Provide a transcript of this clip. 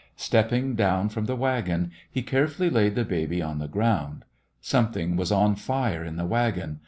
Stepping down from the wagon, he carefully laid the baby on the ground. Something was on fire in the wagon.